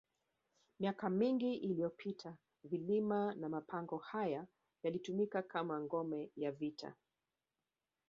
Miaka mingi iliyopita vilima na mapango haya yalitumika kama ngome ya vita